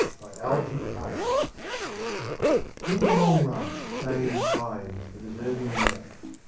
IN THE LONG RUN In the long run fame finds the deserving man.